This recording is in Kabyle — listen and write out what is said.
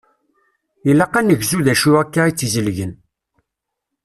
Ilaq ad negzu d acu akka i tt-izelgen.